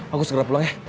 aku segera pulang ya